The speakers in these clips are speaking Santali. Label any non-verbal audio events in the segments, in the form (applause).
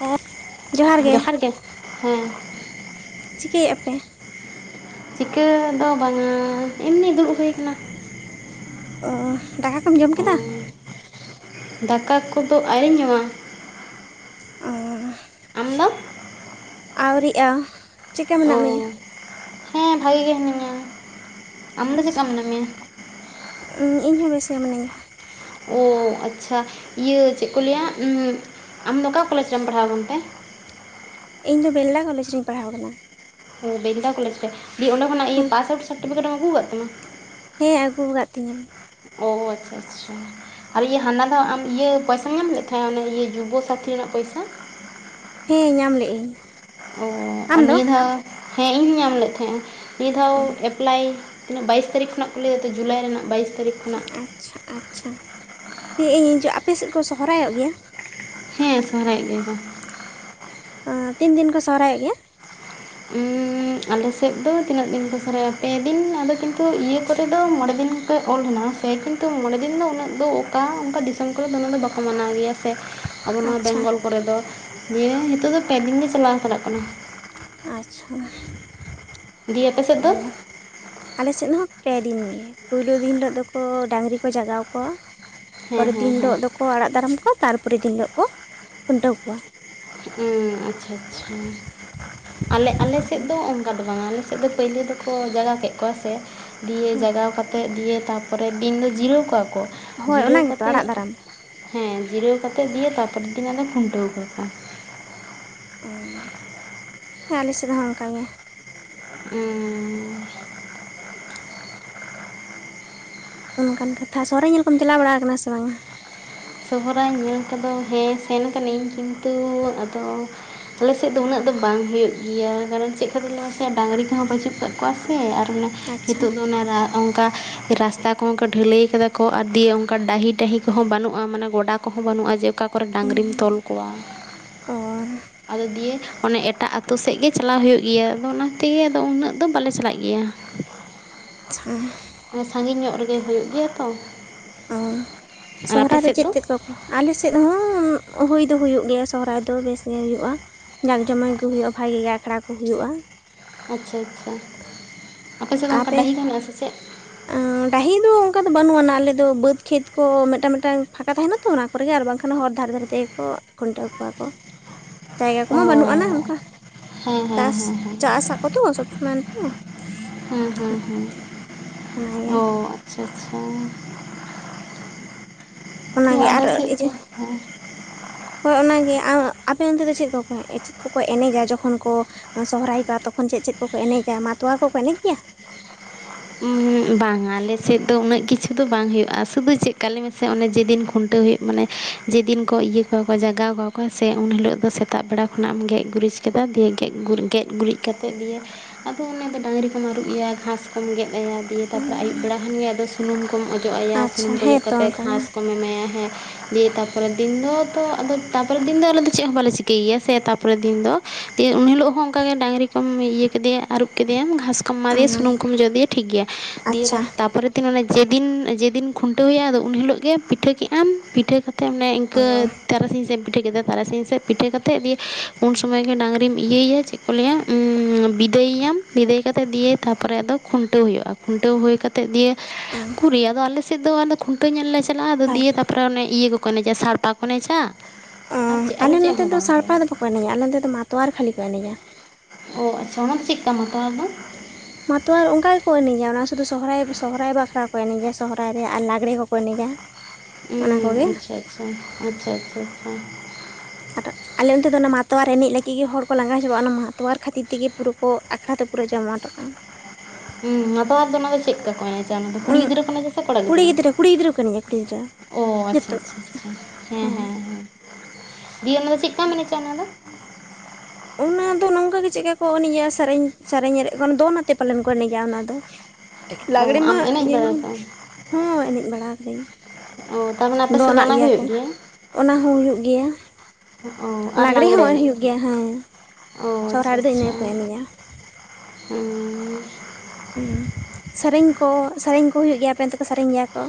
ᱦᱮᱸ ᱡᱚᱦᱟᱨ ᱜᱮ᱾ ᱦᱩᱸ ᱪᱤᱠᱟᱹᱭ ᱟᱯᱮ? ᱪᱤᱠᱟᱹ ᱫᱚ ᱵᱟᱝ-ᱟ, ᱮᱢᱱᱤ ᱫᱩᱲᱩᱵ ᱦᱩᱭ ᱠᱟᱱᱟ᱾ ᱚᱻ ᱫᱟᱠᱟ ᱠᱚᱢ ᱡᱚᱢ ᱚ ᱠᱮᱫᱟ? ᱫᱟᱠᱟ ᱠᱚᱫᱚ ᱟᱣᱨᱤᱧ ᱡᱚᱢᱟ᱾ ᱚ ᱟᱢ ᱫᱚ? ᱟᱣᱨᱤᱜᱼᱟ᱾ ᱚ ᱦᱮᱸ ᱵᱷᱟᱜᱮ ᱜᱮ ᱦᱤᱱᱟᱹᱧᱟ᱾ ᱟᱢ ᱫᱚ ᱪᱮᱫᱠᱟ ᱟᱪᱪᱷᱟ ᱢᱮᱱᱟᱜ ᱢᱮᱭᱟ ᱩᱸ ᱤᱧ ᱦᱚᱸ ᱵᱮᱥᱜᱮ ᱢᱤᱱᱟᱹᱧᱟ᱾ ᱳ ᱟᱪᱪᱷᱟ ᱤᱭᱟᱹ ᱪᱮᱜ ᱠᱚ ᱞᱮᱭᱟ ᱩᱸ ᱟᱢᱫᱚ ᱚᱠᱟ ᱠᱚᱞᱮᱡᱽ ᱨᱮᱢ ᱯᱟᱲᱦᱟᱣ ᱠᱟᱱ ᱛᱮ? ᱤᱧ ᱫᱚ ᱵᱮᱞᱫᱟ ᱠᱚᱞᱮᱡᱽ ᱨᱤᱧ ᱯᱟᱲᱦᱟᱣ ᱠᱟᱱᱟ᱾ ᱳ ᱵᱮᱞᱫᱟ ᱠᱚᱞᱡᱽ ᱨᱮ ᱫᱤᱭᱮ ᱚᱸᱰᱮ ᱠᱷᱚᱱᱟᱜ ᱤᱭᱟᱹ ᱯᱟᱥᱟᱣᱩᱴ ᱥᱟᱨᱴᱤᱯᱷᱤᱠᱮᱴᱮᱢ ᱟᱹᱜᱩ ᱠᱟᱜ ᱛᱟᱢᱟ? ᱦᱮᱸ ᱟᱹᱜᱩ ᱠᱟᱫ ᱛᱤᱧᱟᱹᱧ᱾ ᱳ ᱟᱪᱪᱷᱟ ᱟᱪᱪᱷᱟ ᱟᱨ ᱤᱭᱟᱹ ᱦᱟᱱᱟ ᱫᱷᱟᱣ ᱟᱢ ᱤᱭᱟᱹ ᱯᱚᱭᱥᱟᱢ ᱧᱟᱢ ᱞᱮᱫ ᱛᱟᱦᱮᱸ ᱚᱱᱮ ᱤᱭᱟᱹ ᱡᱩᱵᱚᱥᱟᱛᱷᱤ ᱨᱮᱱᱟᱜ ᱯᱚᱭᱥᱟ? ᱦᱮᱸ ᱧᱟᱢ ᱞᱮᱜᱤᱧ ᱚ ᱟᱨ ᱱᱤᱭᱟᱹ ᱫᱷᱟᱣ ᱦᱮᱸ ᱤᱧ ᱦᱩᱧ ᱧᱟᱢ ᱞᱮᱜ ᱛᱷᱟᱮᱜᱼᱟ, ᱱᱤᱭᱟᱹ ᱫᱷᱟᱣ ᱚ ᱮᱯᱞᱞᱟᱭ ᱛᱤᱱᱟᱹᱜ ᱵᱟᱭᱤᱥ ᱛᱟᱹᱨᱤᱠᱷ ᱠᱷᱚᱱᱟᱜ ᱠᱚ ᱞᱟᱹᱭ ᱫᱟᱛᱚ ᱡᱩᱞᱟᱭ ᱨᱮᱱᱟᱜ ᱵᱟᱭᱤᱥ ᱛᱟᱹᱨᱤᱠᱷ᱾ ᱠᱷᱚᱱᱟᱜ ᱟᱪᱪᱷᱟ ᱟᱪᱪᱷᱟ᱾ ᱮᱭ ᱤᱧ ᱤᱧᱟᱜ ᱟᱯᱮ ᱥᱮᱜ ᱠᱚ ᱥᱚᱦᱚᱨᱟᱭᱚᱜ ᱜᱮᱭᱟ? ᱦᱮᱸ ᱥᱚᱦᱚᱨᱟᱭᱚᱜ ᱜᱮᱭᱟ ᱠᱚ᱾ ᱦᱚᱸ ᱛᱤᱱ ᱫᱤᱱ ᱠᱚ ᱥᱚᱦᱚᱨᱟᱭᱚᱜ ᱜᱮᱭᱟ? (inaudible) ᱩᱸ ᱟᱞᱮ ᱥᱮᱜ ᱫᱚ ᱛᱤᱱᱟᱹᱜ ᱫᱤᱱ ᱠᱚ ᱥᱚᱨᱟᱭᱚᱜᱼᱟ ᱯᱮ ᱫᱤᱱ ᱟᱫᱚ ᱠᱤᱱᱛᱩ ᱤᱭᱟᱹ ᱠᱚᱨᱮ ᱫᱚ ᱢᱚᱸᱬᱮ ᱫᱤᱱ᱾ ᱯᱮ ᱚᱞ ᱦᱮᱱᱟᱜᱼᱟ ᱥᱮ ᱠᱤᱱᱛᱩ ᱢᱚᱸᱬᱮ ᱫᱤᱱ ᱫᱚ ᱩᱱᱟᱹᱜ ᱫᱚ ᱚᱠᱟ ᱚᱱᱠᱟ ᱫᱤᱥᱚᱢ ᱠᱚᱨᱮ ᱫᱚᱢᱮ ᱫᱚ ᱵᱟᱠᱚ ᱢᱟᱱᱟᱣ ᱜᱮᱭᱟ ᱥᱮ᱾ ᱟᱵᱚ ᱱᱚᱣᱟ ᱟᱪᱪᱷᱟ ᱵᱮᱝᱜᱚᱞ ᱠᱚᱨᱮ ᱫᱚ ᱫᱤᱭᱮ ᱦᱮᱛᱳᱜ ᱫᱚ ᱯᱮ ᱫᱤᱱ ᱜᱮ ᱪᱟᱞᱟᱣ ᱦᱟᱛᱟᱲᱚᱜ ᱠᱟᱱᱟ᱾ ᱟᱪᱪᱷᱟ ᱫᱤᱭᱮ ᱟᱯᱮ ᱥᱮᱜ ᱚ ᱫᱚ? ᱟᱞᱮ ᱥᱮᱫ ᱦᱚᱸ ᱯᱮ ᱫᱤᱱ ᱜᱮ, ᱯᱩᱭᱞᱩ ᱫᱤᱱ ᱦᱤᱞᱳᱜ ᱫᱚᱠᱚ ᱰᱟᱹᱝᱨᱤ ᱠᱚ ᱡᱟᱜᱟᱣ ᱠᱚᱣᱟ, ᱦᱮᱸ ᱯᱚᱨᱮᱨ ᱦᱮᱸ ᱫᱤᱱ ᱦᱮᱸ ᱦᱤᱞᱳᱜ ᱫᱚᱠᱚ ᱟᱲᱟᱜ ᱫᱟᱨᱟᱢ ᱠᱚᱣᱟ ᱛᱟᱨᱯᱚᱨᱮ ᱫᱤᱱ ᱦᱤᱞᱳᱜ ᱠᱚ ᱠᱷᱩᱱᱴᱟᱹᱣ ᱠᱚᱣᱟ᱾ ᱦᱩᱸ ᱟᱪᱪᱷᱟ ᱟᱪᱪᱷᱟ ᱦᱮᱸ ᱟᱞᱮ ᱟᱞᱮ ᱥᱮᱜ ᱫᱚ ᱚᱝ ᱠᱟ ᱫᱚ ᱵᱟᱝ-ᱟ ᱟᱞᱮ ᱥᱮᱜ ᱫᱚ ᱯᱟᱹᱭᱞᱟᱹ ᱫᱚᱠᱚ ᱡᱟᱜᱟᱣ ᱠᱮᱜ ᱠᱚᱣᱟ ᱥᱮ ᱫᱤᱭᱮ ᱡᱟᱜᱟᱣ ᱠᱟᱛᱮᱫ ᱫᱤᱭᱮ ᱛᱟ ᱯᱚᱨᱮ ᱫᱤᱱ ᱫᱚ ᱡᱤᱨᱟᱹᱣ ᱠᱚᱣᱟ ᱠᱚ ᱦᱳᱭ ᱚᱱᱟ ᱡᱤᱨᱟᱹᱣ ᱜᱮᱛᱚ ᱠᱟᱛᱮᱜ ᱟᱲᱟᱜ ᱫᱟᱨᱟᱢ ᱦᱮᱸ ᱡᱤᱨᱟᱹᱣ ᱠᱟᱛᱮᱜ ᱫᱤᱭᱮ ᱛᱟᱨᱯᱚᱨᱮᱨ ᱫᱤᱱ ᱟᱱᱮ ᱠᱷᱩᱱᱴᱟᱹᱣ ᱠᱟᱠᱚ᱾ ᱚᱸ ᱟᱞᱮ ᱥᱮᱜ ᱦᱚᱸ ᱚᱝᱠᱟ ᱜᱮ᱾ ᱩᱸᱻ ᱚᱱᱠᱟᱱ ᱠᱟᱛᱷᱟ ᱥᱚᱨᱦᱟᱭ ᱧᱮᱞ ᱠᱚᱢ ᱪᱟᱞᱟᱣ ᱵᱟᱲᱟ ᱠᱟᱱᱟ ᱥᱮ ᱵᱟᱝ-ᱟ? ᱥᱚᱦᱚᱨᱟᱭ ᱧᱮᱞ ᱠᱚᱫᱚ ᱦᱮᱸ ᱥᱮᱱ ᱠᱟᱹᱤᱧ ᱠᱤᱱᱛᱩ ᱟᱫᱚ, ᱟᱞᱮ ᱥᱮᱜ ᱫᱚ ᱩᱱᱟᱹᱜ ᱫᱚ ᱵᱟᱝ ᱦᱩᱭᱩᱜ ᱜᱤᱭᱟ ᱠᱟᱨᱚᱱ ᱪᱮᱜ ᱠᱷᱟᱹᱛᱤᱨ ᱞᱮᱭ ᱢᱮᱥᱮ ᱰᱟᱝᱨᱤ ᱠᱚᱦᱚᱸ ᱯᱟᱹᱪᱩᱜ ᱠᱟᱜ ᱠᱚᱣᱟ ᱥᱮ ᱟᱨ ᱚᱱᱟ ᱟᱪᱪᱷᱟ ᱦᱮᱛᱳᱜ ᱫᱚ ᱚᱱᱟ ᱨᱟᱜ ᱚᱱᱠᱟ ᱨᱟᱥᱛᱟ ᱠᱚᱦᱚᱸ ᱠᱚ ᱵᱷᱟᱹᱞᱟᱹᱭ ᱠᱟᱫᱟ ᱠᱚ ᱟᱨ ᱫᱤᱭᱮ ᱚᱱᱠᱟ ᱰᱟᱦᱤ ᱴᱟᱹᱦᱤ ᱠᱚᱦᱚᱸ ᱵᱟᱩᱜ᱾ (inaudible) ᱢᱟᱱᱮ ᱜᱚᱰᱟ ᱠᱚᱦᱚᱸ ᱵᱟᱹᱱᱩᱜᱼᱟ ᱡᱮ ᱚᱠᱟ ᱠᱚᱨᱮ ᱰᱟᱝᱨᱤᱢ ᱛᱚᱞ ᱠᱚᱣᱟ᱾ ᱚ ᱟᱪᱪᱷᱟ ᱟᱫᱚ ᱫᱤᱭᱮ ᱚᱱᱮ ᱮᱴᱟᱜ ᱟᱹᱛᱳ ᱥᱮᱜ ᱜᱮ ᱪᱟᱞᱟᱣ ᱦᱳᱭᱳᱜ ᱜᱤᱭᱟ ᱟᱫᱚ ᱚᱱᱟ ᱛᱮᱜᱮ ᱟᱫᱚ ᱩᱱᱟᱹᱜ ᱫᱚ ᱵᱟᱞᱮ ᱪᱟᱞᱟᱜ ᱜᱮᱭᱟ᱾ (inaudible) ᱪᱪᱷᱟ ᱦᱮᱸ ᱥᱟᱺᱜᱤᱧ ᱧᱚᱜ ᱨᱮᱜᱮ ᱦᱳᱭᱳᱜ ᱜᱮᱭᱟ ᱛᱚ ᱟᱨ ᱟᱯᱮ ᱥᱚᱦᱚᱨᱟᱭ ᱨᱮ ᱥᱮᱫ ᱪᱮᱫ ᱫᱚ ᱪᱮᱫ ᱠᱚᱠᱚ ᱟᱞᱮ ᱥᱮᱫ ᱦᱚᱸ ᱦᱩᱭ ᱫᱚ ᱦᱩᱭᱩᱜ ᱜᱮᱭᱟ ᱥᱚᱦᱚᱨᱟᱭ ᱫᱚ ᱵᱮᱥᱜᱮ ᱦᱩᱭᱩᱜᱼᱟ ᱾ ᱡᱟᱠ ᱡᱚᱢᱚᱠ ᱜᱮ ᱦᱩᱭᱩᱜᱼᱟ ᱵᱷᱟᱜᱮ ᱜᱮ ᱟᱠᱷᱲᱟ ᱠᱚ ᱦᱩᱭᱩᱜᱼᱟ ᱾ ᱟᱪᱪᱷᱟ ᱟᱪᱪᱷᱟ ᱟᱯᱮ ᱥᱮᱜ ᱫᱚ ᱚᱱᱠᱟ ᱰᱟᱹᱦᱤ ᱠᱚ ᱢᱮᱱᱟᱜᱼᱟ ᱥᱮ ᱪᱮᱫ? ᱟᱸ ᱰᱟᱹᱦᱤ ᱫᱚ ᱚᱱᱠᱟ ᱫᱚ ᱵᱟᱹᱱᱩᱜ ᱟᱱᱟ ᱟᱞᱮ ᱫᱚ ᱵᱟᱹᱫᱽ ᱠᱷᱮᱛ ᱠᱚ ᱢᱮᱫᱴᱟᱝ ᱢᱮᱫᱴᱟᱝ ᱯᱷᱟᱸᱠᱟ ᱛᱟᱦᱮᱱᱟ ᱛᱚ ᱚᱱᱟ ᱠᱚᱨᱮ ᱜᱮ ᱟᱨ ᱵᱟᱝᱠᱷᱟᱱ ᱦᱚᱨ ᱫᱷᱟᱨᱮ ᱫᱷᱟᱨᱮ ᱛᱮᱜᱮ ᱠᱚ ᱠᱷᱩᱱᱴᱟᱹᱣ ᱠᱚᱣᱟ ᱠᱚ ᱾ ᱡᱟᱭᱜᱟ ᱠᱚᱢᱟ ᱵᱟᱱᱩᱜ ᱟᱱᱟ ᱚ ᱚᱱᱠᱟ ᱾ ᱦᱮᱸ ᱦᱮᱸ ᱪᱟᱥ ᱦᱮᱸ ᱦᱮᱸ ᱪᱟᱥ ᱟᱠᱚᱛᱚ ᱥᱚᱵ ᱥᱚᱢᱚᱭ ᱮᱱᱛᱮ ᱦᱮᱸ ᱦᱮᱸ ᱚᱱᱟ ᱦᱮᱸ ᱠᱷᱟᱹᱛᱤᱨ ᱚᱱᱟᱜᱮ (unintelligible) ᱦᱳᱭ ᱴᱷᱤᱠ ᱚᱱᱟᱜᱮ ᱟᱞᱮ ᱟᱨᱚ ᱥᱮᱫ ᱫᱚ ᱤᱭᱟᱹ ᱦᱮᱸ ᱦᱳᱭ ᱚᱱᱟᱜᱮ ᱟᱯᱮ ᱚᱱᱛᱮ ᱫᱚ ᱪᱮᱫ ᱠᱚ ᱪᱮᱫ ᱠᱚᱠᱚ ᱮᱱᱮᱡᱟ ᱡᱚᱠᱷᱚᱱ ᱠᱚ ᱥᱚᱦᱚᱨᱟᱭ ᱠᱚᱜᱼᱟ ᱛᱚᱠᱷᱚᱱ ᱪᱮᱫ ᱪᱮᱫ ᱠᱚᱠᱚ ᱮᱱᱮᱡᱟ ᱢᱟᱛᱚᱣᱟᱨ ᱠᱚᱠᱚ ᱮᱱᱮᱡ ᱜᱮᱭᱟ? ᱵᱟᱝᱼᱟ ᱟᱞᱮᱥᱮᱫ ᱫᱚ ᱩᱱᱟᱹᱜ ᱠᱤᱪᱷᱩ ᱫᱚ ᱵᱟᱝ ᱦᱩᱭᱩᱜᱼᱟ ᱥᱩᱫᱩ ᱪᱮᱜᱠᱟ ᱞᱮᱢᱮᱥᱮ ᱚᱱᱮ ᱡᱮᱫᱤᱱ ᱠᱷᱩᱱᱴᱟᱹᱣ ᱦᱩᱭᱩᱜ ᱢᱟᱱᱮ ᱡᱮᱫᱤᱱ ᱠᱚ ᱤᱭᱟᱹ ᱠᱟᱣᱟᱠᱚ ᱡᱟᱜᱟᱣ ᱠᱟᱣᱟᱠᱚ ᱦᱮᱸᱥᱮ ᱩᱱ ᱦᱤᱞᱳᱜ ᱫᱚ ᱥᱮᱛᱟᱜ ᱵᱮᱲᱟ ᱠᱷᱚᱱᱟᱜ ᱮᱢ ᱜᱮᱜ-ᱜᱩᱨᱤᱡ ᱠᱮᱫᱟ ᱫᱤᱭᱮ ᱜᱮᱜ-ᱜᱩᱨ ᱜᱮᱜ ᱜᱩᱨᱤᱡ ᱠᱟᱛᱮᱫ ᱫᱤᱭᱮ ᱟᱫᱚ ᱚᱱᱟ ᱫᱚ ᱰᱟᱝᱨᱤ ᱠᱚᱢ ᱟᱹᱨᱩᱜ ᱮᱭᱟ ᱜᱷᱟᱥ ᱠᱚᱢ ᱜᱮᱫ ᱟᱭᱟ ᱫᱤᱭ ᱛᱯᱚᱨᱮ ᱟᱹᱭᱩᱵ ᱵᱮᱲᱟ ᱠᱷᱟᱱ ᱜᱮ ᱟᱫᱚ ᱥᱩᱱᱩᱢ ᱠᱚᱢ ᱚᱡᱚᱜ ᱟᱭᱟ, ᱟᱪᱪᱷᱟ ᱥᱩᱱᱩᱢ ᱠᱚ ᱚᱡᱚᱜ ᱦᱮᱸᱛᱚ ᱠᱟᱛᱮᱫ ᱚᱱᱠᱟ ᱜᱮ ᱜᱷᱟᱥ ᱠᱚᱢ ᱮᱢᱟᱭᱟ ᱦᱮᱸ ᱫᱤᱭᱮ ᱛᱟᱯᱚᱨᱮ ᱫᱤᱱ ᱫᱚ ᱛᱚ ᱟᱫᱚ ᱛᱟᱯᱚᱨᱮᱨ ᱫᱤᱱ ᱫᱚ ᱟᱞᱮ ᱫᱚ ᱪᱮᱫ ᱦᱚᱸ ᱵᱟᱞᱮ ᱪᱤᱠᱟᱹᱭ ᱜᱮᱭᱟ ᱥᱮ ᱛᱟᱯᱚᱨᱮ ᱫᱤᱱ ᱫᱚ᱾ ᱫᱤᱭᱮ ᱩᱱ ᱦᱤᱞᱳᱜ ᱦᱚᱸ ᱚᱱᱠᱟ ᱜᱮ ᱰᱟᱝᱨᱤ ᱠᱚᱢ ᱤᱭᱟᱹ ᱠᱮᱫᱮᱭᱟ ᱟᱨᱩᱵ ᱠᱮᱫᱮᱭᱟᱢ ᱜᱷᱟᱥ ᱠᱚᱢ ᱮᱢᱟᱫᱮᱭᱟ ᱥᱩᱱᱩᱢ ᱠᱚᱢ ᱚᱡᱚᱜ ᱟᱫᱮᱭᱟ ᱴᱷᱤᱠ ᱜᱮᱭᱟ ᱫᱤᱭᱮ ᱟᱪᱪᱷᱟ ᱛᱟᱯᱚᱨᱮ ᱡᱮᱫᱤᱱ ᱡᱮᱫᱤᱱ ᱡᱮᱫᱤᱱ ᱠᱷᱩᱱᱴᱟᱹᱣ ᱦᱩᱭᱩᱜᱼᱟ ᱟᱫᱚ ᱩᱱ ᱦᱤᱞᱳᱜ ᱜᱮ ᱯᱤᱴᱷᱟᱹ ᱠᱮᱜ ᱟᱢ ᱯᱤᱴᱷᱟᱹ ᱠᱟᱛᱮ ᱢᱟᱱᱮ ᱚᱱ ᱤᱱᱠᱟᱹ ᱛᱟᱨᱟᱥᱤᱧ ᱥᱮᱫ ᱮᱢ ᱯᱤᱴᱷᱟᱹ ᱠᱮᱫᱟ ᱛᱟᱨᱟᱥᱤᱧ ᱥᱮᱫ ᱯᱤᱴᱷᱟᱹ ᱠᱟᱛᱮᱫ ᱫᱤᱭᱮ ᱩᱱ ᱥᱚᱢᱚᱭ ᱜᱮ ᱰᱟᱝᱨᱤᱢ ᱤᱭᱟᱹᱭᱮᱭᱟ ᱪᱮ ᱠᱚ ᱞᱟᱹᱭᱟ ᱩᱸ ᱵᱤᱫᱟᱹᱭᱮᱭᱟᱢ ᱵᱤᱫᱟᱹᱭ ᱠᱟᱛᱮ ᱫᱤᱭᱮ ᱛᱟᱯ ᱯᱚᱨᱮ ᱟᱫᱚ ᱠᱷᱩᱱᱴᱟᱹᱣ ᱦᱩᱭᱩᱜᱼᱟ, ᱠᱷᱩᱱᱴᱟᱹᱣ ᱦᱩᱭ ᱠᱟᱛᱮ ᱫᱤᱭᱮ ᱩᱠᱩᱨᱤᱡ ᱟᱫᱚ ᱟᱞᱮᱥᱮᱫᱚ ᱟᱫᱚ ᱠᱷᱩᱱᱴᱟᱹᱣ ᱧᱮᱞ ᱞᱮ ᱪᱟᱞᱟᱜᱼᱟ, ᱟᱫᱚ ᱫᱤᱭᱮ ᱵᱷᱟᱜᱮ ᱜᱮ ᱛᱟᱨᱯᱚᱨᱮ ᱚᱱᱮ ᱤᱭᱟᱹ ᱠᱚᱠᱚ ᱮᱱᱮᱡᱟᱼᱟ ᱥᱟᱲᱯᱟ ᱠᱚ ᱮᱱᱮᱡᱟ ᱾ ᱟᱞᱮ ᱱᱚᱛᱮ ᱫᱚ ᱥᱟᱲᱯᱟ ᱫᱚ ᱵᱟᱠᱚ ᱮᱱᱮᱡᱟ ᱟᱞᱮ ᱱᱚᱛᱮ ᱫᱚ ᱢᱟᱛᱣᱟᱨ ᱠᱷᱟᱹᱞᱤ ᱠᱚ ᱮᱱᱮᱡᱟ᱾ ᱚ ᱟᱪᱪᱷᱟ ᱚᱱᱟ ᱫᱚ ᱪᱮᱜᱠᱟ ᱢᱟᱛᱣᱟᱨ ᱫᱚ? ᱢᱟᱛᱣᱟᱨ ᱚᱱᱝᱠᱟ ᱜᱮᱠᱚ ᱮᱱᱮᱡᱟ ᱚᱱᱟ ᱥᱩᱫᱷᱩ ᱥᱚᱦᱨᱟᱭ ᱥᱚᱦᱨᱟᱭ ᱵᱟᱠᱷᱨᱟ ᱠᱚ ᱮᱱᱮᱡᱟ ᱥᱚᱦᱨᱟᱭ ᱨᱮ ᱟᱨ ᱞᱟᱜᱽᱲᱮ ᱠᱚᱠᱚ ᱮᱱᱮᱡᱟ᱾ ᱚᱱᱟ ᱩᱸ ᱠᱚᱜᱮ ᱟᱪᱪᱷᱟ ᱟᱪᱪᱷᱟ ᱟᱪᱪᱷᱟ ᱟᱪᱪᱷᱟ ᱪᱷᱟ ᱾ ᱟᱴᱟᱜ᱾ ᱟᱞᱮ ᱚᱱᱛᱮ ᱫᱚ ᱚᱱᱟ ᱢᱟᱛᱣᱟᱨ ᱮᱱᱮᱡ ᱞᱟᱹᱜᱤᱫ ᱜᱮ ᱦᱚᱲ ᱠᱚ ᱞᱟᱸᱜᱟ ᱪᱟᱵᱟᱜᱼᱟ, ᱚᱱᱟ ᱢᱟᱛᱣᱟᱨ ᱠᱷᱟᱹᱛᱤᱨ ᱛᱮᱜᱮ ᱯᱩᱨᱟᱹ ᱠᱚ ᱟᱠᱷᱲᱟ ᱫᱚ ᱯᱩᱨᱟᱹ ᱡᱚᱢᱟᱴᱚᱜᱼᱟ᱾ ᱦᱩᱸ ᱢᱟᱛᱣᱟᱨ ᱫᱚ ᱚᱱᱟ ᱫᱚ ᱪᱮᱫ ᱠᱟ ᱠᱚ ᱮᱱᱮᱪᱟ ᱚᱱᱟ ᱫᱚ ᱠᱩᱲᱤ ᱜᱤᱫᱽᱨᱟᱹ ᱠᱚ ᱮᱱᱮᱪᱟ ᱥᱮ ᱠᱚᱲᱟ ᱠᱩᱲᱤ ᱜᱤᱫᱽᱨᱟᱹ? ᱠᱩᱲᱤ ᱜᱤᱫᱽᱨᱟᱹ ᱠᱟᱹᱱᱟᱹᱧᱟ ᱠᱩᱲᱤ ᱜᱤᱫᱽᱨᱟᱹ ᱚ ᱟᱪᱪᱷᱟ ᱡᱚᱛᱚ ᱟᱪᱪᱷᱟ ᱟᱪᱪᱷᱟ ᱦᱮᱸ ᱦᱚᱸ ᱦᱮᱸ ᱦᱮᱸ᱾ ᱫᱤᱭᱟᱹ ᱚᱱᱟ ᱫᱚ ᱪᱮᱜ ᱠᱟᱢ ᱮᱱᱮᱪᱟ ᱚᱱᱟ ᱫᱚ? ᱚᱱᱟ ᱫᱚ ᱚᱱᱟ ᱚᱝᱠᱟ ᱜᱮ ᱪᱮᱫ ᱠᱚ ᱮᱱᱮᱡᱼᱟ ᱥᱮᱨᱮᱧ ᱥᱮᱨᱮᱧ ᱮᱨᱮᱜ ᱫᱚᱱ ᱟᱛᱮ ᱯᱟᱞᱮᱱ ᱠᱚ ᱮᱱᱮᱡᱟ ᱚᱱᱟ ᱫᱚ᱾ ᱞᱟᱜᱽᱲᱮ ᱚ ᱢᱟ ᱟᱢ ᱮᱱᱮᱡ ᱤᱭᱟᱹ ᱵᱟᱲᱟ ᱜᱮᱵᱚᱱ ᱠᱟᱜᱼᱟᱢ ᱦᱳᱭ ᱮᱱᱮᱡ ᱵᱟᱲᱟ ᱠᱟᱹᱫᱟᱹᱧ᱾ ᱚ ᱛᱟᱨᱢᱟᱱᱮ ᱟᱯᱮ ᱥᱮᱫ ᱫᱚ ᱫᱚᱱᱟᱜ ᱚᱱᱟ ᱜᱮ ᱜᱮᱭᱟ ᱦᱩᱭᱩᱜ ᱠᱚ ᱚᱱᱟ ᱦᱚᱸ ᱦᱩᱭᱩᱜ ᱜᱮᱭᱟ᱾ ᱚ ᱟᱨ ᱞᱟᱜᱽᱲᱮ ᱦᱚᱸ ᱮᱱᱮᱡ ᱦᱩᱭᱩᱜ ᱜᱮᱭᱟ ᱦᱮᱸ ᱥᱚᱨᱦᱟᱭ ᱨᱮᱫᱚ ᱤᱱᱟᱹ ᱜᱮᱠᱚ ᱮᱱᱮᱡᱟ ᱾ ᱚᱻ ᱩᱸ ᱥᱮᱨᱮᱧ ᱠᱚ ᱥᱮᱨᱮᱧ ᱠᱚ ᱦᱩᱭᱩᱜ ᱜᱮᱭᱟ ᱟᱯᱮᱱ ᱚᱱᱛᱮᱠᱚ ᱥᱮᱨᱮᱧ ᱜᱮᱭᱟ ᱠᱚ?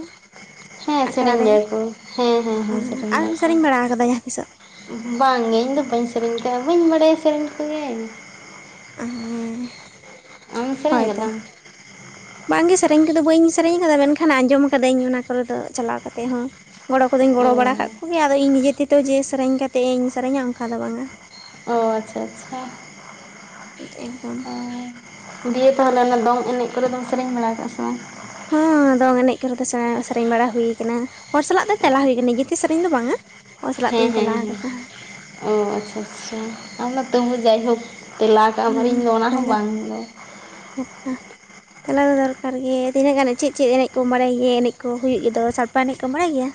ᱦᱮᱸ ᱟᱠᱷᱲᱟ ᱥᱮᱨᱮᱧ ᱨᱮ ᱜᱮᱭᱟ ᱠᱚ ᱦᱮᱸ ᱦᱮᱸ ᱦᱮᱸ ᱥᱮᱨᱮᱧ ᱟᱢᱮᱢ ᱜᱮᱭᱟᱠᱚ ᱵᱟᱲᱟ ᱟᱠᱟᱫᱟ ᱡᱟᱦᱟᱸ ᱛᱤᱥᱚᱜ ᱾ ᱵᱟᱝᱜᱮ ᱤᱧᱫᱚ ᱵᱟᱹᱧ ᱥᱮᱨᱮᱧ ᱠᱟᱜ-ᱟ ᱵᱟᱹᱧ ᱵᱟᱲᱟᱭᱟ ᱥᱮᱨᱮᱧ ᱠᱚᱜᱮ ᱾ ᱟᱢᱮᱢ ᱥᱮᱨᱮᱧ ᱦᱳᱭ ᱛᱚ ᱠᱟᱫᱟᱢ? ᱵᱟᱝᱜᱮ ᱥᱮᱨᱮᱧ ᱠᱚᱫᱚ ᱵᱟᱹᱧ ᱥᱮᱨᱮᱧ ᱟᱠᱟᱫᱟ ᱢᱮᱱᱠᱷᱟᱱ ᱟᱸᱡᱚᱢ ᱟᱠᱟᱫᱟᱹᱧ ᱚᱱᱟ ᱠᱚᱨᱮ ᱫᱚ ᱪᱟᱞᱟᱣ ᱠᱟᱛᱮ ᱦᱚᱸ᱾ ᱜᱚᱲᱚ ᱠᱚᱫᱚᱧ ᱚ ᱜᱚᱲᱚ ᱵᱟᱲᱟ ᱟᱠᱟᱫ ᱠᱚᱜᱮ ᱟᱫᱚ ᱤᱧ ᱱᱤᱡᱮ ᱛᱮᱛᱚ ᱡᱮ ᱥᱮᱨᱮᱧ ᱠᱟᱛᱮ ᱤᱧ ᱥᱮᱨᱮᱧᱟ ᱚᱱᱠᱟ ᱫᱚ ᱵᱟᱝᱟ᱾ ᱚ ᱟᱪᱪᱷᱟ, ᱟᱪᱪᱷᱟ᱾ ᱮᱠᱫᱚᱢ ᱫᱤᱭᱮ ᱛᱟᱦᱚᱞᱮ ᱚᱱᱟ ᱫᱚᱝ ᱮᱱᱮᱡ ᱠᱚᱨᱮ ᱫᱚᱢ ᱥᱮᱨᱮᱧ ᱵᱟᱲᱟ ᱟᱠᱟᱜᱼᱟ ᱥᱮ ᱵᱟᱝ? ᱦᱚᱸ ᱫᱚᱝ ᱮᱱᱮᱡ ᱠᱚᱨᱮ ᱫᱚ ᱥᱮᱨᱮᱧ ᱵᱟᱲᱟ ᱦᱩᱭ ᱠᱟᱱᱟ ᱾ ᱦᱚᱲ ᱥᱟᱞᱟᱜ ᱫᱚ ᱛᱮᱞᱟ ᱦᱩᱭ ᱟᱠᱟᱱᱟ ᱜᱤᱛᱤ ᱥᱮᱨᱮᱧ ᱫᱚ ᱵᱟᱝᱟ᱾ ᱦᱚᱲ ᱥᱟᱞᱟᱜ ᱦᱮᱸ ᱛᱤᱧ ᱦᱮᱸ ᱛᱮᱞᱟ ᱦᱮᱸ, ᱟᱠᱟᱫᱟ ᱚ ᱟᱪᱪᱷᱟ ᱟᱪᱪᱷᱟ, ᱟᱢ ᱫᱚ ᱛᱟᱹᱦᱩ ᱡᱟᱭᱦᱳᱠ ᱛᱮᱞᱟ ᱠᱟᱜᱼᱟᱢ ᱤᱧ ᱫᱚ ᱚᱱᱟ ᱦᱚᱸ ᱵᱟᱝ ᱜᱮ᱾ ᱦᱮᱛᱚ ᱾ ᱛᱮᱞᱟ ᱫᱚ ᱫᱚᱨᱠᱟᱨ ᱜᱮ, ᱛᱤᱱᱟᱹᱜ ᱜᱟᱱ ᱪᱮᱫ ᱪᱮᱫ ᱮᱱᱮᱡ ᱠᱚ ᱵᱟᱲᱟᱭ ᱜᱮᱭᱟ ᱮᱱᱮᱡ ᱠᱚ ᱦᱩᱭᱩᱜ ᱜᱮᱫᱚ ᱥᱟᱲᱯᱟ ᱮᱱᱮᱡ ᱠᱚ ᱵᱟᱲᱟᱭ ᱜᱮᱭᱟ?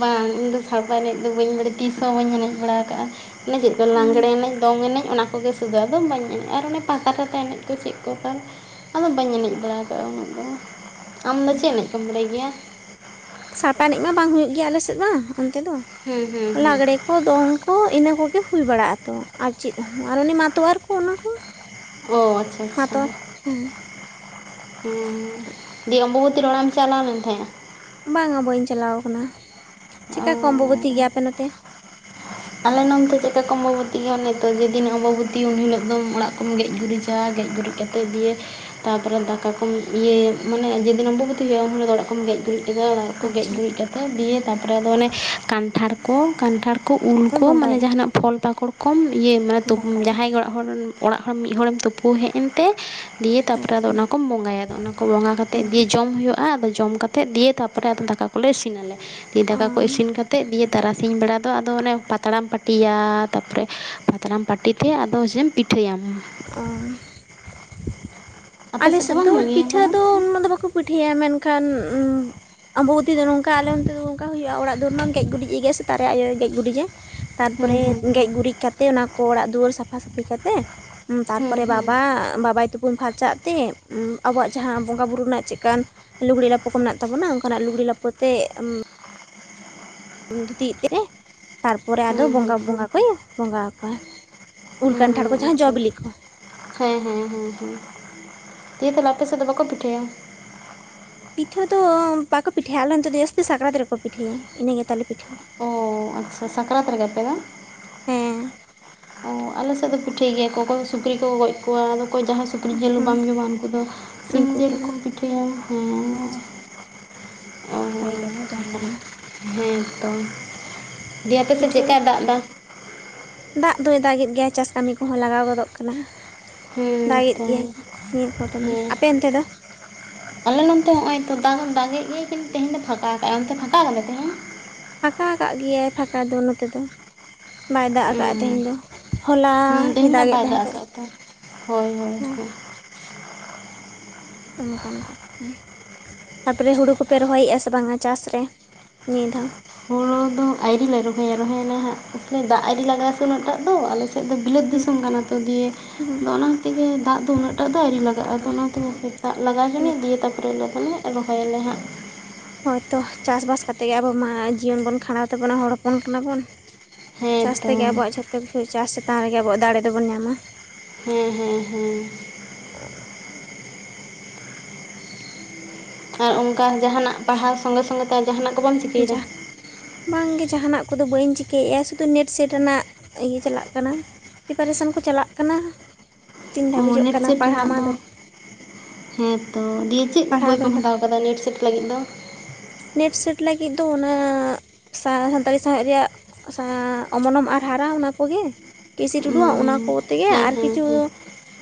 ᱵᱟᱝ ᱤᱧᱫᱚ ᱥᱟᱲᱯᱟ ᱮᱱᱮᱡ ᱫᱚ ᱵᱟᱹᱧ ᱵᱟᱲᱟᱭᱟ ᱛᱤᱥ ᱦᱚᱸ ᱵᱟᱹᱧ ᱮᱱᱮᱡ ᱵᱟᱲᱟ ᱟᱠᱟᱜᱼᱟ᱾ ᱚᱱᱮ ᱪᱮᱫ ᱫᱚ ᱞᱟᱜᱽᱮᱲᱮ ᱮᱱᱮᱡ ᱫᱚᱝ ᱮᱱᱮᱡ ᱚᱱᱟ ᱠᱚᱜᱮ (unintelligible) ᱟᱫᱚᱢ ᱵᱟᱹᱧ ᱮᱱᱮᱡᱼᱟ, ᱟᱨ ᱚᱱᱮ ᱯᱟᱠᱟ ᱯᱟᱠᱟ ᱮᱱᱮᱡ ᱠᱚ ᱪᱮᱫ ᱠᱚ ᱠᱟᱱ ᱟᱫᱚ ᱵᱟᱹᱧ ᱮᱱᱮᱡ ᱵᱟᱲᱟ ᱟᱠᱟᱜᱼᱟ ᱩᱱᱟᱹᱜ ᱫᱚ᱾ ᱟᱢᱫᱚ ᱪᱮᱫ ᱮᱱᱮᱡ ᱠᱚᱢ ᱵᱟᱲᱟᱭ ᱜᱮᱭᱟ? ᱥᱟᱲᱯᱟ ᱮᱱᱮᱡ ᱢᱟ ᱵᱟᱝ ᱦᱩᱭᱩᱜ ᱜᱮᱭᱟ ᱟᱞᱮ ᱥᱮᱫ ᱢᱟ ᱚᱱᱛᱮ ᱫᱚ᱾ ᱦᱩᱸ, ᱦᱩᱸ, ᱦᱩᱸ᱾ ᱞᱟᱜᱽᱲᱮ ᱠᱚ ᱫᱚᱝ ᱠᱚ ᱤᱱᱟᱹ ᱠᱚᱜᱮ ᱦᱩᱭ ᱵᱟᱲᱟᱜᱼᱟ ᱛᱚ, ᱟᱨ ᱪᱮᱫ ᱦᱚᱸ ᱟᱨ ᱩᱱᱤ ᱢᱟᱛᱣᱟᱨ ᱠᱚ ᱚᱱᱟᱠᱚ᱾ ᱚ ᱟᱪᱪᱷᱟ, ᱟᱪᱪᱷᱟ᱾ ᱦᱮᱸ ᱦᱮᱸ ᱫᱤᱭᱮ ᱚᱢᱵᱚᱵᱚᱛᱤ ᱨᱮ ᱚᱲᱟᱜ ᱮᱢ ᱪᱟᱞᱟᱣ ᱞᱮᱱ ᱛᱟᱦᱮᱸᱜᱼᱟ? ᱵᱟᱝᱟ ᱵᱟᱹᱧ ᱪᱟᱞᱟᱣ ᱚ ᱟᱠᱟᱱᱟ᱾ᱪᱮᱠᱟ ᱠᱚ ᱟᱢᱵᱚᱵᱚᱛᱤ ᱜᱮ ᱟᱯᱮ ᱱᱚᱛᱮ? ᱟᱞᱮ ᱱᱚᱱᱛᱮ (unintelligible) ᱟᱢᱵᱟ ᱵᱚᱛᱤᱜᱟ ᱚᱱᱮ ᱛᱚ ᱡᱮᱫᱤᱱ ᱟᱢᱵᱟᱵᱩᱛᱤ ᱩᱱ ᱦᱤᱞᱳᱜ ᱫᱚ ᱚᱲᱟᱜ ᱠᱚᱢ ᱜᱮᱡ ᱜᱩᱨᱤᱡᱟ ᱜᱮᱡ ᱜᱩᱨᱤᱡ (unintelligible) ᱛᱟᱨᱯᱚᱨᱮ ᱫᱟᱠᱟ ᱠᱚᱢ ᱤᱭᱟᱹ ᱢᱟᱱᱮ ᱡᱮ ᱫᱤᱱ ᱟᱢᱵᱟᱵᱚᱛᱤ ᱦᱩᱭᱩᱜᱼᱟ ᱩᱱ ᱦᱤᱞᱚᱜ ᱫᱚ ᱚᱲᱟᱜ ᱠᱚᱢ ᱜᱮᱡ ᱜᱩᱨᱤᱡ ᱠᱮᱫᱟ᱾ ᱜᱮᱡ ᱟᱪᱪᱷᱟ ᱜᱩᱨᱤᱡ ᱠᱟᱛᱮ ᱫᱤᱭᱮ ᱛᱟᱯᱚᱨᱮ ᱟᱫᱚ ᱚᱱᱮ ᱠᱟᱱᱴᱷᱟᱲ ᱠᱚ ᱠᱟᱱᱴᱷᱟᱲ ᱠᱚ ᱩᱞ ᱯᱮ ᱠᱚ ᱢᱟᱱᱮ ᱵᱚᱸᱜᱟᱭᱟ ᱡᱟᱦᱟᱱᱟᱜ ᱯᱷᱚᱞ ᱯᱟᱠᱚᱲ ᱠᱚᱢ ᱤᱭᱟᱹ ᱢᱟᱱᱮ ᱵᱚᱸᱜᱟᱭᱟ ᱡᱟᱦᱟᱸᱭ ᱜᱮ ᱚᱲᱟᱜ ᱦᱚᱲ ᱢᱤᱫ ᱦᱚᱲᱮᱢ ᱛᱩᱯᱩ ᱦᱮᱡ ᱮᱱᱛᱮ ᱫᱤᱭᱮ ᱛᱟᱯᱚᱨᱮ ᱫᱚ ᱟᱪᱪᱷᱟ ᱚᱱᱟ ᱠᱚᱢ ᱵᱚᱸᱜᱟᱭᱟ, ᱟᱫᱚ ᱚᱱᱟ ᱠᱚ ᱵᱚᱸᱜᱟ ᱠᱟᱛᱮ ᱜᱮ ᱡᱚᱢ ᱦᱩᱭᱩᱜ ᱟᱫᱚ ᱡᱚᱢ ᱠᱟᱛᱮᱫ ᱫᱤᱭᱮ ᱛᱟᱯᱚᱨᱮ ᱟᱫᱚ ᱫᱟᱠᱟ ᱠᱚᱞᱮ ᱤᱥᱤᱱᱟᱞᱮ, ᱫᱤᱭᱮ ᱚ ᱫᱟᱠᱟ ᱠᱚ ᱤᱥᱤᱱ ᱠᱟᱛᱮᱫ ᱫᱤᱭᱮ ᱛᱟᱨᱟᱥᱤᱧ ᱵᱮᱲᱟ ᱫᱚ ᱟᱫᱚ ᱚᱱᱮ ᱯᱟᱛᱲᱟᱢ ᱯᱟᱹᱴᱤᱭᱟ ᱛᱟᱯᱚᱨᱮ ᱯᱟᱛᱲᱟᱢ ᱯᱟᱹᱴᱤ ᱛᱮ ᱟᱫᱚ ᱮᱥᱮᱢ ᱯᱤᱴᱷᱟᱹᱭᱟᱢ᱾ ᱚᱻ ᱟᱯᱮ ᱟᱞᱮ ᱥᱮᱫ ᱵᱟᱝ ᱫᱚ ᱦᱩᱭᱩᱜ ᱜᱮᱭᱟ ᱚᱱᱠᱟ ᱯᱤᱴᱷᱟᱹ ᱫᱚ ᱩᱱᱟᱹᱜ ᱫᱚ ᱵᱟᱠᱚ ᱯᱤᱴᱷᱟᱹᱭᱟ, ᱢᱮᱱ ᱠᱷᱟᱱ ᱟᱢᱵᱚᱵᱚᱛᱤ ᱫᱚ ᱱᱚᱝᱠᱟ ᱟᱞᱮ ᱚᱱᱛᱮ ᱫᱚ ᱱᱚᱱᱠᱟ ᱦᱩᱭᱩᱜᱼᱟ, ᱚᱲᱟᱜ ᱫᱩᱣᱟᱹᱨᱮᱢ ᱜᱮᱡ ᱜᱩᱨᱤᱡ ᱮᱜ ᱜᱮᱭᱟ ᱥᱮᱛᱟᱜ ᱨᱮ ᱟᱭᱚᱭ ᱜᱮᱡ ᱜᱩᱨᱤᱡᱟ᱾ ᱦᱩᱸ ᱦᱩᱸ ᱛᱟᱨᱯᱚᱨᱮ ᱜᱮᱡ ᱜᱩᱨᱤᱡ ᱠᱟᱛᱮ ᱚᱱᱟ ᱠᱚ ᱚᱲᱟᱜ ᱫᱩᱣᱟᱹᱨ ᱥᱟᱯᱷᱟ ᱥᱟᱹᱯᱷᱤ ᱠᱟ ᱦᱩᱸ ᱛᱟᱨᱯᱚᱨᱮ ᱦᱩᱸ ᱵᱟᱵᱟ ᱵᱟᱵᱟᱭ ᱛᱩᱯᱩᱱ ᱯᱷᱟᱨᱪᱟᱜ ᱛᱮ ᱟᱵᱚᱣᱟᱜ ᱡᱟᱦᱟᱸ ᱵᱚᱸᱜᱟ ᱵᱩᱨᱩ ᱨᱮᱱᱟᱜ ᱪᱮᱜ ᱠᱟᱱ ᱞᱩᱜᱽᱲᱤ ᱞᱟᱯᱚ ᱠᱚ ᱢᱮᱱᱟᱜ ᱛᱟᱵᱚᱱᱟ, ᱚᱱᱠᱟᱱᱟᱜ ᱞᱩᱜᱽᱲᱤ ᱞᱟᱯᱚ ᱛᱮ ᱫᱷᱩᱛᱤᱜ ᱛᱮ ᱛᱟᱨᱯᱚᱨᱮ ᱟᱫᱚ ᱦᱩᱸ ᱵᱚᱸᱜᱟ ᱦᱩᱸ ᱵᱚᱸᱜᱟ ᱠᱚᱭ ᱵᱚᱸᱜᱟ ᱟᱠᱚᱣᱟ, ᱩᱞ ᱠᱟᱱᱴᱷᱟᱲ ᱠᱚ ᱦᱩᱸ ᱡᱟᱦᱟᱸ ᱡᱚ ᱟᱪᱪᱷᱟ ᱵᱤᱞᱤ ᱟᱪᱪᱷᱟ ᱠᱚ᱾ ᱦᱮᱸ ᱦᱮᱸ ᱦᱮᱸ, ᱫᱤᱭᱮᱹ ᱛᱟᱦᱞᱮ ᱟᱯᱮ ᱥᱮᱫ ᱫᱚ ᱵᱟᱠᱚ ᱯᱤᱴᱷᱟᱹᱭᱟ? ᱯᱤᱴᱷᱟᱹ ᱫᱚ ᱵᱟᱠᱚ ᱯᱤᱴᱷᱟᱹᱭᱟ ᱟᱞᱮ ᱱᱚᱛᱮ ᱫᱚ ᱡᱟᱹᱥᱛᱤ ᱥᱟᱠᱨᱟᱛ ᱨᱮᱠᱚ ᱯᱤᱴᱷᱟᱹᱭᱟ ᱤᱱᱟᱹ ᱜᱮᱛᱟᱞᱮ ᱯᱤᱴᱷᱟᱹ᱾ ᱚ ᱟᱪᱪᱷᱟ ᱥᱟᱠᱨᱟᱛ ᱨᱮᱜᱮ ᱯᱮ ᱫᱚ? ᱦᱮᱸ᱾ ᱚ ᱟᱞᱮ ᱥᱮᱫ ᱫᱚ ᱯᱤᱴᱷᱟᱹᱭ ᱜᱮᱭᱟᱠᱚ ᱚᱠᱚᱭ ᱫᱚ ᱥᱩᱠᱨᱤ ᱠᱚᱠᱚ ᱜᱚᱡ ᱠᱚᱣᱟ ᱟᱫᱚ ᱚᱠᱚᱭ ᱡᱟᱦᱟᱸ ᱥᱩᱠᱨᱤ ᱥᱩᱠᱨᱤ ᱡᱤᱞ ᱦᱚᱸ ᱦᱩᱸ ᱵᱟᱢ ᱡᱚᱢᱟ ᱩᱱᱠᱩ ᱫᱚ ᱥᱤᱢ ᱩᱱᱠᱩ ᱡᱤᱞ ᱠᱚᱫᱚ ᱠᱚᱢ ᱯᱤᱴᱷᱟᱹᱭᱟ ᱦᱮᱸ᱾ ᱟᱪᱪᱷᱟ ᱵᱷᱟᱜᱮ ᱠᱟᱛᱷᱟ ᱛᱚ ᱚᱝᱠᱟᱢᱟ ᱦᱮᱸᱛᱚ ᱫᱤᱭᱮ ᱟᱯᱮᱥᱮᱫ ᱯᱤᱴᱷᱟᱹ ᱫᱚ ᱪᱮᱫᱠᱟᱭ ᱫᱟᱜ ᱮᱫᱟ? ᱫᱟᱜ ᱫᱚᱭ ᱫᱟᱜᱮᱫ ᱜᱮᱭᱟ ᱪᱟᱥ ᱠᱟᱹᱢᱤ ᱠᱚᱦᱚᱸ ᱞᱟᱜᱟᱣ ᱜᱚᱫᱚᱜ ᱠᱟᱱᱟ᱾ ᱦᱮᱸ ᱫᱟᱜᱮᱫ ᱛᱚ ᱜᱮᱭᱟᱭ ᱱᱤᱭᱟᱹ ᱠᱚᱴᱷᱮᱱ, ᱦᱮᱸ ᱟᱯᱮ ᱚᱱᱛᱮ ᱫᱚ? ᱟᱞᱮ ᱚᱱᱛᱮ ᱦᱚᱸᱜᱼᱚᱭ ᱛᱚ ᱫᱟᱜ ᱫᱟᱜᱮᱜ ᱜᱮᱭᱟᱭ ᱠᱤᱱᱛᱩ ᱛᱮᱦᱤᱧ ᱫᱚ ᱯᱷᱟᱸᱠᱟ ᱠᱟᱜᱼᱟ ᱚᱱᱛᱮ ᱯᱷᱟᱸᱠᱟ ᱠᱟᱫᱟᱭ ᱛᱟᱦᱮᱧ? ᱯᱷᱟᱸᱠᱟ ᱟᱠᱟᱫ ᱜᱮᱭᱟᱭ ᱯᱷᱟᱸᱠᱟ ᱫᱚ ᱱᱚᱛᱮ ᱫᱚ᱾ ᱵᱟᱭ ᱫᱟᱜ ᱚ ᱟᱠᱟᱫ ᱛᱮᱦᱮᱧ ᱫᱚ ᱦᱚᱞᱟ ᱦᱮᱸ ᱮ ᱛᱮᱦᱮᱧ ᱫᱚ ᱫᱟᱜ ᱵᱟᱭ ᱛᱟᱦᱮᱸ ᱟᱠᱟᱫ ᱛᱚ ᱦᱳᱭ ᱦᱳᱭ ᱦᱮᱸ ᱾ ᱦᱳᱭ ᱚᱱᱠᱟᱱ ᱠᱟᱛᱷᱟ ᱦᱩᱸ᱾ ᱛᱟᱯᱚᱨᱮ ᱦᱩᱲᱩ ᱠᱚᱯᱮ ᱨᱚᱦᱚᱭᱮᱫᱼᱟ ᱥᱮ ᱵᱟᱝᱟ ᱪᱟᱥ ᱨᱮ ᱱᱤᱭᱟᱹ ᱫᱷᱟᱣ? ᱦᱩᱲᱩ ᱫᱚ ᱟᱹᱣᱨᱤ ᱞᱮ ᱨᱚᱦᱚᱭᱟ, ᱨᱚᱦᱚᱭᱟᱞᱮ ᱦᱟᱸᱜ ᱫᱟᱜ ᱟᱹᱣᱨᱤ ᱞᱟᱜᱟ ᱛᱚ ᱩᱱᱟᱹᱜ ᱴᱟᱜ ᱫᱚ ᱟᱞᱮᱥᱮᱫ ᱫᱚ ᱵᱤᱞᱟᱹᱛ ᱦᱮᱸ ᱫᱤᱥᱚᱢ ᱠᱟᱱᱟ ᱛᱚ ᱫᱤᱭᱮ ᱟᱫᱚ ᱚᱱᱟ ᱛᱮᱜᱮ ᱫᱟᱜ ᱫᱚ ᱩᱱᱟᱹᱜ ᱴᱟᱜ ᱫᱚ ᱟᱹᱣᱨᱤ ᱞᱟᱜᱟᱜᱼᱟ ᱟᱫᱚ ᱚᱱᱟᱛᱮ ᱫᱟᱜ ᱞᱟᱜᱟᱣ ᱦᱚᱪᱚᱱᱤᱡ ᱦᱮᱸ ᱫᱤᱭᱮ ᱛᱟᱨᱯᱚᱨᱮ ᱞᱮ ᱯᱟᱞᱮᱜ ᱨᱚᱦᱚᱭᱟᱞᱮ ᱦᱟᱸᱜ᱾ ᱦᱳᱭᱛᱚ ᱪᱟᱥ ᱵᱟᱥ ᱠᱟᱛᱮᱜ ᱜᱮ ᱟᱵᱚ ᱢᱟ ᱡᱤᱭᱚᱱ ᱵᱚᱱ ᱠᱷᱟᱸᱰᱟᱣ ᱛᱟᱵᱚᱱᱟ ᱦᱚᱲ ᱦᱚᱯᱚᱱ ᱠᱟᱱᱟᱵᱚᱱ᱾ ᱦᱮᱸ ᱪᱟᱥ ᱛᱚ ᱛᱮᱜᱮ ᱟᱵᱚᱣᱟᱜ ᱡᱷᱚᱛᱚ ᱠᱤᱪᱷᱩ ᱪᱟᱥ ᱪᱮᱛᱟᱱ ᱨᱮᱜᱮ ᱟᱵᱚᱣᱟᱜ ᱫᱟᱲᱮ ᱫᱚᱵᱚᱱ ᱧᱟᱢᱟ᱾ ᱦᱮᱸ ᱦᱮᱸ ᱦᱮᱸ᱾ (unintelligible) ᱟᱨ ᱚᱱᱠᱟ ᱡᱟᱦᱟᱸ ᱱᱟᱜ ᱯᱟᱲᱦᱟᱣ ᱥᱚᱸᱜᱮ ᱥᱚᱸᱜᱮ ᱛᱮ ᱡᱟᱦᱟᱸ ᱱᱟᱜ ᱠᱚ ᱵᱟᱢ ᱪᱤᱠᱟᱹᱭ ᱫᱟ? ᱵᱟᱝ ᱜᱮ ᱡᱟᱦᱟᱸ ᱱᱟᱜ ᱠᱚᱫᱚ ᱵᱟᱹᱧ ᱪᱤᱠᱟᱹᱭᱮᱜ-ᱟ ᱥᱩᱫᱩ ᱱᱮᱴ ᱥᱮᱴ ᱨᱮᱱᱟᱜ ᱤᱭᱟᱹ ᱪᱟᱞᱟᱜ ᱠᱟᱱᱟ᱾ ᱯᱤᱯᱟᱨᱮᱥᱚᱱ ᱠᱚ ᱪᱟᱞᱟᱜ ᱠᱟᱱᱟ ᱛᱤᱱ ᱚ ᱫᱷᱟᱹᱵᱤᱡᱚᱜ ᱱᱮᱴ ᱠᱟᱱᱟ ᱥᱮᱴ ᱯᱟᱲᱦᱟᱣ ᱨᱮᱱᱟᱜ ᱢᱟ ᱫᱚ ᱫᱚᱼᱼ ᱦᱮᱸ ᱛᱚ ᱫᱤᱭᱮ ᱪᱤᱜ ᱵᱳᱭ ᱯᱟᱲᱦᱟᱣ ᱫᱚ ᱠᱚᱢ ᱦᱟᱛᱟᱣ ᱠᱟᱫᱟ ᱱᱮᱴ ᱥᱮᱴ ᱞᱟᱹᱜᱤᱫ ᱫᱚ? ᱱᱮᱴ ᱥᱮᱴ ᱞᱟᱹᱜᱤᱫ ᱫᱚ ᱚᱱᱟ ᱥᱟ ᱥᱟᱱᱛᱟᱲᱤ ᱥᱟᱶᱦᱮᱫ ᱨᱮᱭᱟᱜᱼᱼ ᱥᱟᱶ ᱚᱢᱚᱱᱚᱢ ᱟᱨ ᱦᱟᱨᱟ ᱚᱱᱟ ᱠᱚᱜᱮ᱾ ᱠᱮ ᱥᱤ ᱴᱩᱰᱩ ᱣᱟᱜ ᱦᱮᱸ ᱚᱱᱟ ᱠᱚ ᱛᱮᱜᱮ ᱦᱮᱸ ᱟᱨ ᱠᱤᱪᱷᱩᱼᱼ ᱦᱮᱸ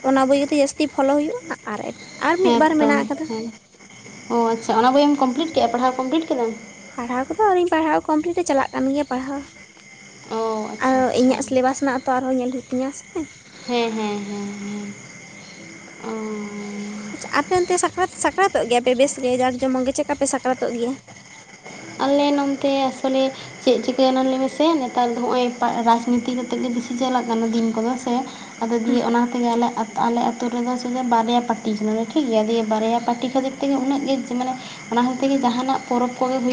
ᱚᱱᱟ ᱵᱳᱭ ᱤᱭᱟᱹ ᱛᱮ ᱡᱟᱹᱥᱛᱤ ᱯᱷᱚᱞᱚ ᱦᱩᱭᱩᱜ-ᱟ ᱟᱨ ᱮ ᱟᱨ ᱢᱤᱫ ᱵᱟᱨ ᱢᱮᱱᱟᱜ ᱟᱠᱟᱫᱟ᱾ ᱚᱸᱻ ᱟᱪᱪᱷᱟ ᱚᱱᱟ ᱵᱳᱭᱮᱢ ᱠᱚᱢᱯᱞᱤᱴ ᱠᱮᱜ-ᱟ ᱯᱟᱲᱦᱟᱣ ᱠᱚᱢᱯᱞᱤᱴ ᱠᱮᱫᱟᱢ? ᱯᱟᱲᱦᱟᱣ ᱠᱚᱫᱚ ᱟᱹᱣᱨᱤᱧ ᱯᱟᱲᱦᱟᱣ ᱠᱚᱢᱯᱞᱤᱴ ᱮ ᱪᱟᱞᱟᱜ ᱠᱟᱱ ᱜᱮᱭᱟ ᱯᱟᱲᱦᱟᱣ᱾ ᱚ ᱟᱨ ᱟᱪᱪᱷᱟ ᱟᱪᱪᱷᱟ ᱤᱧᱟᱜ ᱥᱤᱞᱮᱵᱟᱥ ᱨᱮᱱᱟᱜ ᱛᱚ ᱟᱨ ᱦᱚᱸ ᱧᱮᱞ ᱦᱩᱭᱩᱜ ᱛᱤᱧᱟᱹ ᱥᱮ᱾ ᱦᱮᱸ ᱦᱮᱸ ᱦᱮᱸ ᱦᱮᱸ ᱚᱸᱻ᱾ ᱟᱪᱪᱟ ᱟᱯᱮ ᱚᱱᱛᱮ ᱥᱟᱠᱨᱟᱛ ᱥᱟᱠᱨᱟᱛᱚᱜ ᱜᱮᱭᱟ ᱯᱮ ᱵᱮᱥ ᱜᱮ ᱡᱟᱠ ᱡᱚᱢᱚᱠ ᱜᱮ ᱪᱮᱜ ᱠᱟ ᱯᱮ ᱥᱟᱠᱨᱟᱛᱚᱜ ᱜᱮᱭᱟ? ᱟᱞᱮ ᱱᱚᱱᱛᱮ ᱟᱥᱚ ᱞᱮᱼᱼ ᱪᱮᱜ ᱪᱤᱠᱟᱹ ᱭᱮᱱᱟ ᱞᱟᱹᱭ ᱢᱮᱥᱮ ᱱᱮᱛᱟᱨ ᱫᱚ ᱦᱚᱸᱜ-ᱚᱭ ᱯᱟ ᱮ ᱨᱟᱡᱽᱱᱤᱛᱤ ᱠᱟᱛᱮᱜ ᱜᱮ ᱵᱮᱥᱤ ᱪᱟᱞᱟᱜ ᱠᱟᱱᱟ ᱫᱤᱱ ᱠᱚᱫᱚ ᱥᱮᱼᱼ ᱟᱫᱚ ᱫᱤᱭᱮ ᱚᱱᱟ ᱛᱮᱜᱮ ᱟᱞᱮ ᱟ ᱼᱼ ᱛᱚ ᱟᱞᱮ ᱟᱹᱛᱩ ᱨᱮᱫᱚ ᱥᱮ ᱫᱚ ᱵᱟᱨᱭᱟ ᱯᱟᱴᱤᱭ ᱠᱟᱱᱟ ᱞᱮ ᱴᱷᱤᱠ ᱜᱮᱭᱟ ᱫᱤᱭᱮ ᱵᱟᱨᱭᱟ ᱯᱟᱴᱤ ᱠᱷᱟᱹᱛᱤᱨ ᱛᱮᱜᱮ ᱩᱱᱟᱹᱜ ᱜᱮᱡᱽ ᱢᱟᱱᱮᱼᱼ ᱚᱱᱟ ᱦᱚᱭᱛᱮ ᱜᱮ ᱡᱟᱦᱟᱸ ᱱᱟᱜ ᱯᱚᱨᱚᱵᱽ ᱠᱚᱜᱮ ᱦᱩᱭᱩᱜᱼᱼ